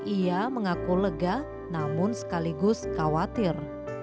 ia mengaku lega namun sekaligus khawatir